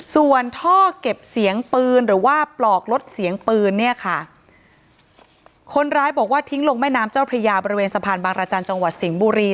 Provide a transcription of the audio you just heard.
ส่วนท่อเก็บเสียงปืนหรือว่าปลอกลดเสียงปืนเนี่ยค่ะคนร้ายบอกว่าทิ้งลงแม่น้ำเจ้าพระยาบริเวณสะพานบางรจันทร์จังหวัดสิงห์บุรี